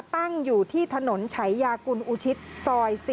ตั้งอยู่ที่ถนนฉายากุลอุทิศซอย๔